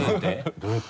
どうやって？